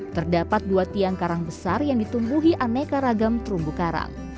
terdapat dua tiang karang besar yang ditumbuhi aneka ragam terumbu karang